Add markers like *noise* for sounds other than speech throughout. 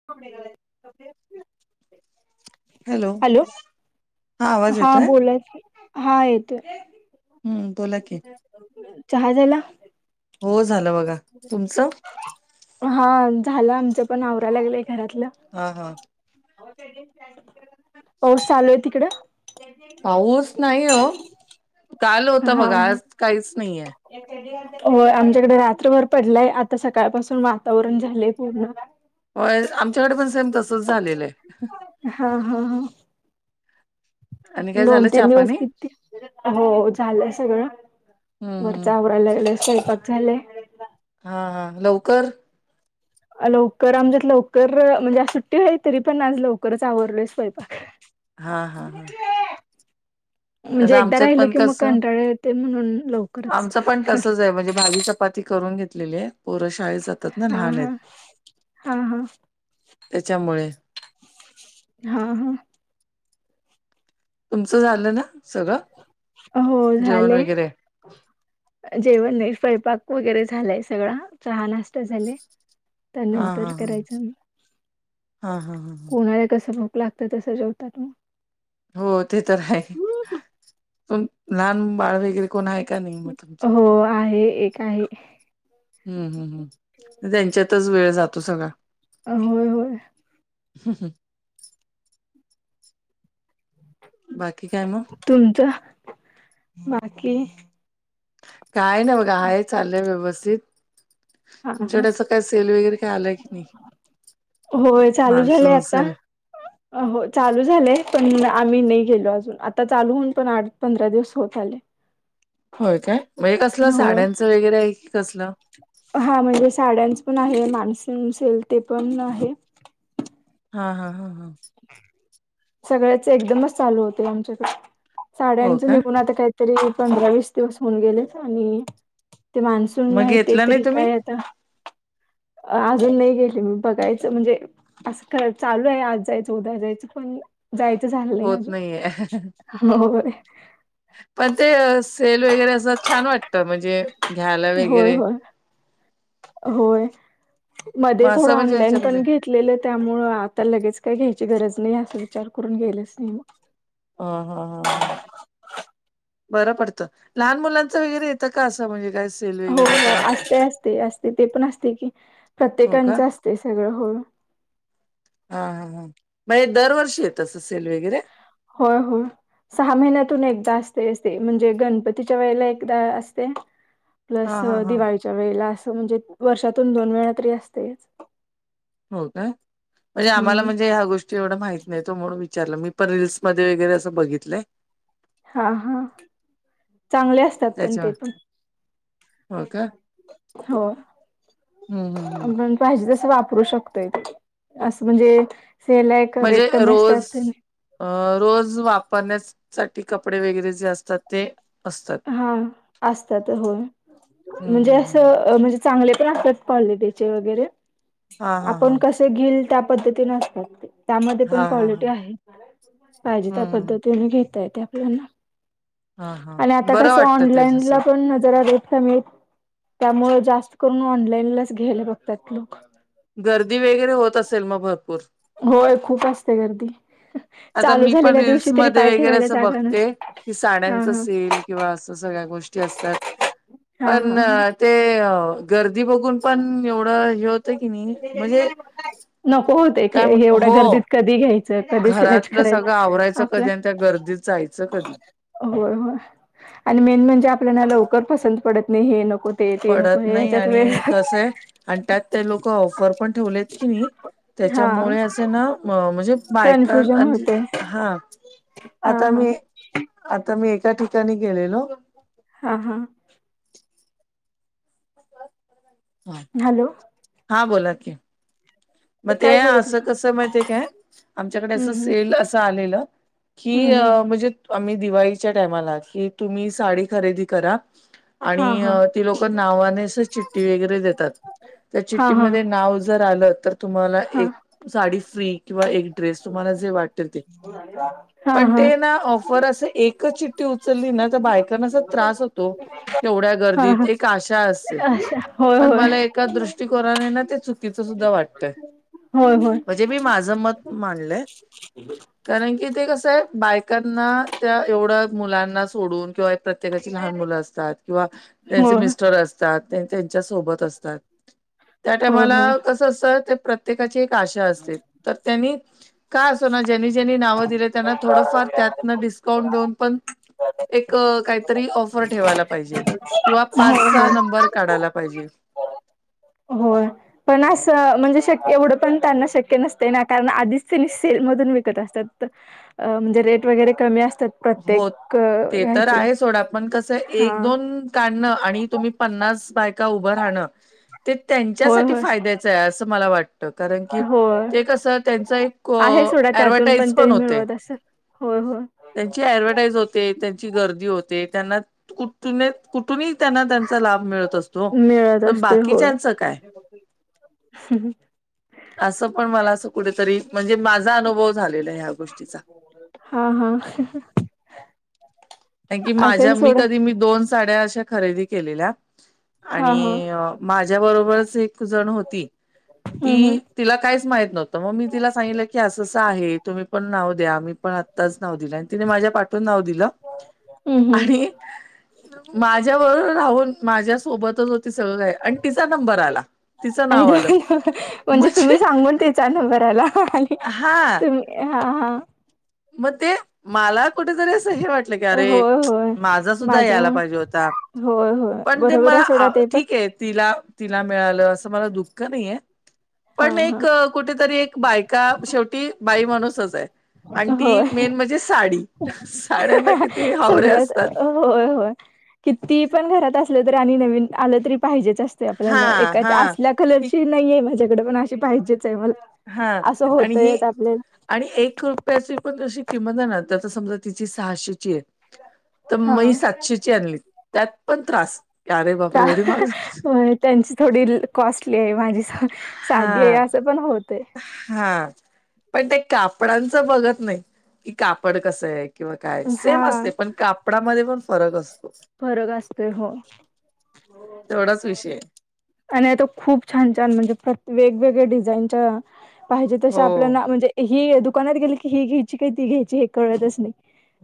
*inaudible* Hello आवाज हा येतोय बोलाय हा येतोय... हम्म बोला की.... चहा झाला... हो झालं बघा तुमचं... हा झालं आमच पण आवराय लागलाय घरातलं... हा हा.... पाऊस चालू आहे तिकड.... पाऊस नाही हो काल होता हा.... बघा आज काहीच नाहीये हो आमच्याकडे रात्रभर पडलाय आता सकाळपासून वातावरण झालंय पूर्ण..... होय आमच्याकडे पण सेम तसच झालेलं आहे.... हा हा ह.... आहे आणि काय दोन झालं चहा तीन दिवस पाणी किती हो झालंय सगळं.... हम्म वरच हम्म आवराय लागलोय स्वयंपाक झाले.... हा हां लवकर..... लवकर आमच्यात लवकर म्हणजे सुट्टी होय तरी पण आज लवकरच आवरल स्वयंपाक.... हा हा हा.... म्हणजे आता एकदा आमच्यात राहिलं पण की मग कसं कंटाळ येते म्हणून लवकर.... आमचं पण तसच आहे म्हणजे भाजी चपाती करून घेतलेली आहे पोर शाळेत जातात..... मुलं हा लहान हा आहेत हा हा त्याच्यामुळे..... हा हा..... तुमचं झालं ना सगळं.... हो जेवण झालय.... वगैरे जेवण नाही स्वयंपाक वगैरे झालाय सगळा चहा नाश्ता झालाय. हा हा त्यानंतर हा करायचं हा हा हा हा उन्हाळ्यात कस भूक लागते. तसं जेवतात मग.... हो ते तर आहे प लहान बाळ वगैरे.... कोण आहे का नाही.... मग तुमच्यात? हो आहे एक आहे.... ह् हम्म हम् त्यांच्यातच वेळ जातो सगळा.... अ होय हो... हम् ह.... बाकी काय मग.... तुमचं बाकी.... काय ना बघा हाय चाललंय व्यवस्थित.... हा हा तुमच्याकडे असं काही सेल वगैरे काय आलं की नाही? होय चालू झालंय मान्सून आता.... सेल हो चालू झालंय पण आम्ही नाही गेलो अजून आता चालू होऊन पण आठ पंधरा दिवस होत आले... ह... होय काय म्हणजे कसलं साड्यांचं वगैरे आहे की कसलं? हा म्हणजे साड्यांच पण आहे माणस असेल ते पण आहे हा हा हा हा सगळ्याच एकदमच चालू होते आमच्याकडे हो साड्यांचं काय? निघून आता काही तरी पंधरा वीस दिवस होऊन गेले आणि ते मान्सून मग नाही ते घेतलं तरी तुम्ही? काय आता अ अजून नाही गेली मी बघायचं म्हणजे असं चालू आहे आज जायचं उदा जायच पण जायचं झालं नाही होत नाहीये. अजून हो पण ते सेल वगैरे असं छान वाटत म्हणजे घ्यायला होय वगैरे होय होय मग मध्ये थोड असं म्हणजे ऑनलाईन ह्याच्यामध्ये पण घ िकलेलं त्यामुळ आता लगेच काय घ्यायची गरज नाही अस विचार करून गेलंच नाही मग ह हा हा हां बरं पडतं लहान मुलांचं वगैरे येतं का असं म्हणजे काय सेल हो वगैरे हो काही असते असते असते ते पण असते की हो का प्रत्येकांचं असते सगळं होळ हा हा हां मण दरवर्षी येत अस सेल वगैरे होय होय सहा महिन्यातून एकदा असते ते म्हणजे गणपतीच्या वेळेला एकदा असते प्लस हा हा हा दिवाळीच्या वेळेला असं म्हणजे वर्षातून दोन वेळा तरी असतेच हो का म्हणजे आम्हाला हम्म म्हणजे ह्या गोष्टी एवढा माहत नाही तो म्हणून विचारला मी पण रीलल्स मध्ये वगरे असं बघितलंय हा हा चांगले असतात पण ते पण ओके हो हम्म हम्म हम्म आपण पाहिजे तसं वापरू शकतोय असं म्हणजे सेल आहे का रेट म्हणजे कमी रोज असतात अ रोज वापरण्यासाठी कपडे वगैरे जे असतात ते असतात हा असतात हो हम्म म्हणजे हम्म हम्म असं म्हणजे चांगले पण असत कलटी वगैरे हा हा हा आपण क घेईल त्या पद्धतीने असतात ते त्यामध्ये पण हा हा हा क्वालिटी आहे पाहिजे त्या हम्म पद्धतीने घेता येते आपल्याना हा हा आणि आता बरं कसं वाटतं ते ऑनलाईन ला असं पण नजरा र मिल त्यामुळे जास्त करून ऑनलाईनलाच घ्यायलं बघतात लोक गर्दी वगैरे होत असेल मग भरपूर होय खूप असते गर्दी आता चालू मी पण झालेल्या दिवशी तरी रीलसमध्ये पाय वगैरे ठेवायला असं जागा बघते नसते की हा साड्यांचा हा सेल किंवा असं सगळ्या गोष्टी त्या असात हा हा पण हा. ते गर्दी बघून पण एवढं हे होतं की नाही म्हणजे नको होते का काय एवढ्या हो गर्दीत कधी घ्यायच घरातलं सगळं आवरायचं कधी आणि त्या गर्दीत जायचं कधी होय हो आणि मेन म्हणजे आपल्याला लवकर पसंत पडत नाही हे नको ते ते नको पडत हे नाही ह्याच्यात वेळ आणि कसंय आणि त्यात ते लोक ऑफर पण ठेवलेत की नाही हा त्याच्यामुळे असं ना म्हणजे बायका कन्फ्युजन होते हा हा आता हा मी आता मी एका ठिकाणी गेलेलो हां हां ह हॅलो हा बोला कि मग ते काय बोलत असं होता कसं माहिितय काय आमच्याकडे हम्म असं हम्म सेल असं आलेलं ही हम्म हम्म म्हणजे आम्ही दिवाळीच्या टामाला कि तुम्ही साडी खरेदी करा आणि हा हा ती लोक नावानेस चिठ््टठी वगैरे देतात त्या हा हा चिठ्ठीमध्ये नाव जर आलं तर तुम्हाला हा एक साडी फ्री किंवा एक त हा हा चली ना तर बायकांना अस त्रास होतो एवढ्या हा गर्दीत हा एक आशा असते अ होय पण होय मला एका दृष्टीकोनाने ना ते चुकीचं सुद्धा वाटतय होय होय म्हणजे मी माझं मत मडलंय ह कारण की ते कसं आहे बायकांना त्या एवढं मुलांना सोडून किंवा प्रत्येकाची लहान मुलं असतात किंवा त्यांचे होय मिस्टर असत त्यांच्या सोबत असतात होय त्यााला होय कस असत प्रत्येकाची एक आशा असते तर त्यांनी काय असो ना ज्यांनी ज्यांनी नाव दिले त्यांना थोडंफार त्यातनस काउंट देऊन पण एक काहीतरी ऑफर ठेवायला पाहिजे किंवा होय पाचचा होय नंबर काढायला पाहिजे हो पण असं म्हणजे शक्य एवढं पण त्यांना शक्य नसतं ना कारण आधीच त्यांनी सेलमधून विकत असतात अ म्हणजे रेट वगैरे कमी असतात हो प्रत्येक ते तर ह्याचे आहे सोडा पण कसं हा एक दोन का तुम्ही पन्नास बायका उभा राहण हे होय त्यांच्यासाठी होय फाय असं मला वाटतं कारण की होय ते कसं त्यांचा एक आहे सोडा त्यातून ऍडवटाईज पण तरी होते मिळवत असेल होय होय त्यांची ऍडव्हटाईज होते त्यांची गर्दी होते त्यांना कुठ कु कुठूनही त्यांना त्यांचा लाभ मिळत असतो पण बाकीच्याच काय ह हम् असं पण मला असं कुठेतरी म्हणजे माझा अनुभव झालेला ह्या गोष्टीचा हा हा कार की माझ्या असेल मी सोडा कधी मी दोन साड्या अशा खरेदी केलेल्या हा हा आणि माझ्या बरोबरच एक जण होती ती हम्म हम्म तिला काहीच माहित नव्हतं मग मी तिला सांगितलं की असंं आहे तुम्ही पण नाव द्या मी पण त्याच नाव दिलं आणि तिने माझ्या पाठून नाव दिलं हम्म हम्म आणि माझ्याबरोबर राहून माझ्या सोबतच हो ते सगळंय आणि तिचा नंबर आला तिचं आणि नाव आलं म्हणजे तुम्ही सांगून त्याच्या नंबरला आणि हा तुम्ही हा हा म ते मला कुठेतरी असं हे वाटलं की अरे होय होय माझा सुद्धा माझ्या यायला पाहिजे होता होय होय पण ते बरोबर आहे सोडा मला ते पण ठीक आहे तिला तिला मिळालं अस म दुःख नाही हा पण एक कुठेतरी एक बाक का शेवटी बाई माणूसच आहे आणि हा ती होय मेन म्हणजे साडी साड्यांना किती हावरे सगळ्यात असतात होय होय किती पण घरात असलं तरी आणि नवीन आलं तरी पाहिजेच असत ते हा आपल्याला एका हा. असल्या कलरची नाही आहेे माझ्याकडे पण अशी पाहिजेच आहे मला हा असं आणि होतय ही आपल्याला आणि एक रुपयाची पण जशी किंमत आहे ना तर आता समजा तिची सहाशेची आहे तर हा मही सातशेची आणली त्यात पण त्रास अरे बापरे एवढी माग होय त्यांची थोडी कॉस्टली आहे माझी साधि आहे हा असं पण होतय हा पण ते कापडांचं बघत नाही की कापड कसं आहे किंवा काय हा सेम असते पण कापडामध्ये पण फरक असतो फरक असतोय हो तेवढाच विषय आणि तो खूप छान छान म्हणजे प्र वेगवेगळ्या डिझाईनच्या पाहिजे तस हो आपल्याला म्हणजे ही दुकानात गेली की ही घ्यायची का ती घ्यायची हे कळतच नाही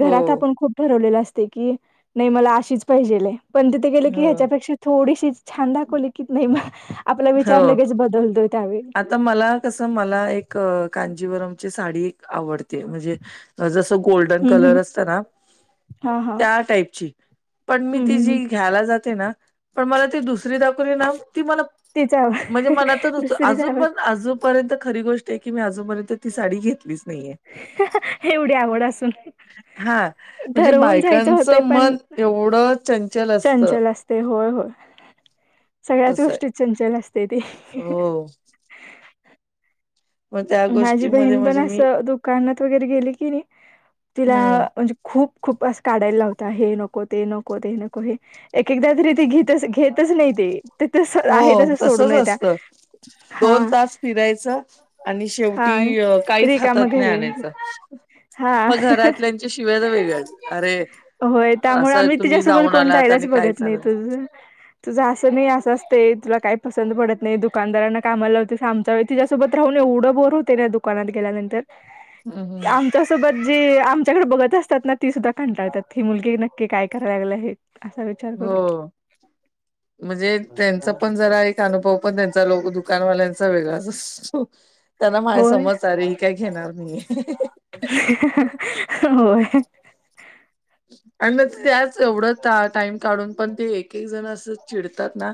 हो. घरात आपण खूप ठरवलेलं असते की नाही मला अशीच पाहिजेलय पण तिथे गेले की हो. ह्याच्यापेक्षा थोडीशी छान दाखवले कि नही म आपला विचार हो. लगेच बदलतो त्यावेळी. आता मला कसं मला एक कांजीवरमची साडी आवडते म्हणजे जसं गोल्डन हम्म कलर हम्म असत ना हा हा त्या टाईपची, पण मी हम्म ती हम्म जी हम्म घ्यायला जाते ना पण मला ती दुसरी दाखवली ना ती मला तीच म्हणजे आवड मनात दुसरीच अजून आवड पण अजूनपर्यंत खरी गोष्ट आहे, की मी अजूनपर्यंत ती साडी घेतलीच नाहीये. अहं अहं एवढी आवड असून हा म्हणजे ठरवून जायचं होतंय बायकाचं पण मन एवढं चंचल असत. ते होय होय. सगळ्याच तसं आहे. गोष्टी चंचल असतय ते. हो मग त्या माझी गोष्टीमध्ये बहीण पण म्हणजे मी असं दुकानात वगैरे गेली कीणी तिला हम्म म्हणजे खूप खूप काढायला असं लावत्या. हे नको ते नको ते नको हे एक एकदा तरी ते घीत घेतच नाही ते. ते तस हो आहे तस सोडून तसच येत्या हा. फिरायच आणि हा शेवटी काहीच रिकाम हातात नाही घरी आणायच. हा मग घरातल्यांच्या शिव्या तर वेगळच अरे होय. त्यामुळे असं आम्ही तिच्या तुम्ही सोबत जाऊन कोण आलात जायलाच आणि बघत काहीच नाही. आणत तुझं तुझं असं नाही असं असतय. तुला काय पसंद पडत नाही दुकानदारांना कामा लावतीस आ तिच्यासोबत राहून एवढं बोर होते ना दुकानात गेल्यानंतर हम्म हम्म. त्यासोबत जे आमच्याकडे बघत असतात ना ती सुद्धा कंटाळतात. ही मुलगी नक्की काय करायला आहेत. असा विचार करून हो. म्हणजे त्यांच पण जरा एक अनुभव पण त्यांचा लो दुकानवाल्यांचा वेगळाच असतो. त्यांना माय होय समज अरे ही काय घेणार नाही. अहं अहं अहं अहं होय. आणि त्याच एवढं टाइम काढून पण ते एक एक जण असं चिडतात ना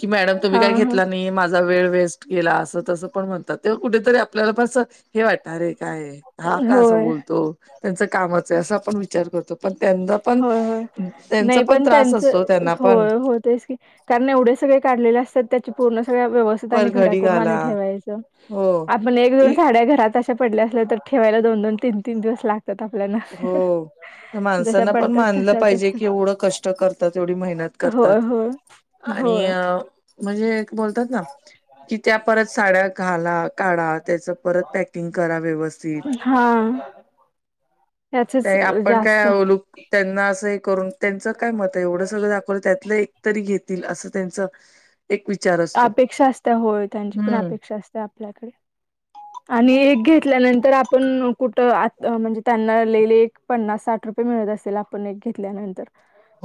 की मॅडम तुम्ही हा काय हा घेतला नाही माझ वेळ वेस्ट गेला अस त पण म्हणतात तेव्हा कुठेतरी आपल्याला पण हे वाटणारे काय हा का असं होय होय बोलतो? त्यांच कामाच आहे असं आपण विचार करतो. पण त्यां होय होय. नही पण त्यांच असतो त्यांना पण होय होतयच की कारण एवढे सगळे काढले असतात त्याची पूर्ण सगळ्या व्यव तिथं पर आणि घड्या घडी करून आणि घाला ठेवायचं. हो आपण एक, दोन ती साड्या घरात पडल्या असल्या तर ठेवायला दोन दोन, तीन तीन दिवस लागत्यात आपल्याला. तर जशा माणसांना पण पडतात मानलं तशाच पाहिजे असतात की एवढं कष्ट करतात, एवढी मेहनत करतात. होय होय आणि होय अ म्हणजे बोलतात ना की त्या परत साड्या घाला, काढा त्याच परत पॅकिंग करा व्यवस्थित. हा. याचच आपण जास्त काय लूक त्यांना असं हे करून त्यांच काय मत आहे, एवढं सगळं दाखवलं त्यातलं तरी घेतील असं त्यांच अपेक्षा असत्या होय. त्यांची पण हम्म अपेक्षा असते आपल्याकडे. आणि एक घेतल्यानंतर आपण कुठं म्हणजे त्यांना लई लई एक पन्नास, साठ रुपये मिळत असेल आपण एक घेतल्या नंतर.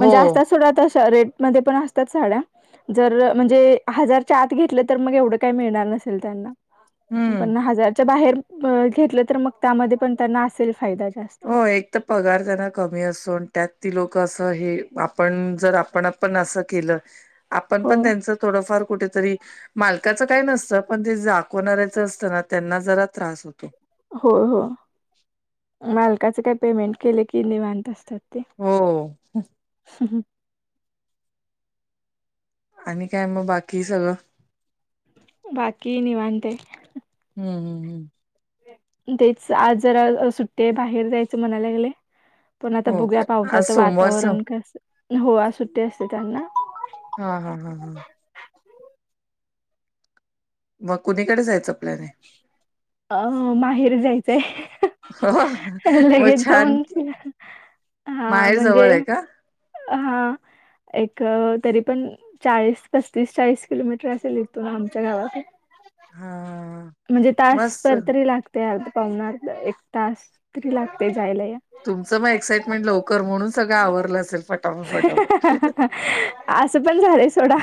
हो असत्यात सोडा तशा रेट मध्ये पण असत्यात साड्या, जर म्हणजे हजारच्या आत घेतलं तर मग एवढं काय मिळणार नसेल त्यांना. हम्म पण हजारच्या बाहेर अ घेतलं तर मग त्यामध्ये पण त्यांना असेल फायदा जास्त. हो. एक तर पगार त्यांना कमी असून त्यात ती लोक असं हे आपण जर आपण पण असं केलं. आपण हो पण त्यांच थोडंफार कुठेतरी मालकाचं काही नसतं, पण ते दाखवणाऱ्याचं असत ना त्यांना जरा त्रास होतो. हो हो मालकाच काय पेमेंट केले की निवांत असतात. ते हो हो... आणि काय मग बाकी सगळं.... बाकी निवांततय.... हम्म हम् हम्..... तेच आज जरा सुट्टी बाहेर जायचं म्हणायला लागले.... पण आता हो बुघूया का आज पावसाचं सोमवारच हा वातावरण कस हो सुट्टी आज असते त्यांना.... हा हा हा हा..... मग कुणीकडे जायचं प्लॅन आहे. अ माहेरी जायचं आहे. हो मग लगेच छान जाऊन की हा माहेर जवळ म्हणजे.... आहे का? हा..... एक तरी पण चाळीस पस्तीस चाळीस किलोमीटर असेल इथून आमच्या गावात..... हा म्हणजे तास मस्त पर तरी लागते अर्धा पाऊण एक तास तरी लागते जायला या.. तूमचं मग एक्साइटमेंट लवकर म्हणून सगळं आवरलं असेल फटाफट फटाफट..... असं पण झालंय सोडा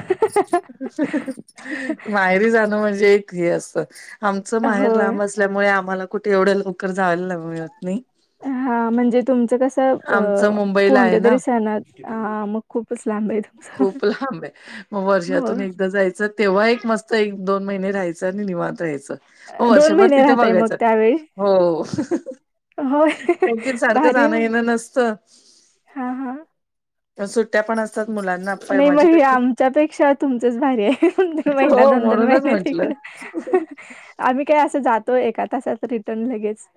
माहेरी जाणं म्हणजे..... हे अस आमचं माहेर होय लांब असल्यामुळे आम्हाला कुठे एवढ्या लवकर जायला मिळत नाही. हा म्हणजे तुमचं कसं आमचं अ मुंबईला आहे कोणत्या ना तरी सणात ह मग..... खूपच लांब आहे... तुमचं. खूप लांब आहे मग हो, वर्षातून एकदा जायचं. तेव्हा एक मस्त एक दोन महिने राहायचं आणि निवांत यायचं. हो वर्षभर महिने तिथे राहताय मग बघायचं त्यावेळी? हो.... होय, त्यांच्यात सारखं जाणं येणं नसतं.. हा हां.... तर सुट्टया पण असतात मुलांना.... नाही माझी मग कशी आमच्यापेक्षा तुमच भारी आहे दोन दोन महिना हो दोन दोन म्हणूनच महिन म्हंटलं तिकडे..... *unintelligible* आम्ही काय असं जातो एका तासाच रिटर्न लगेच....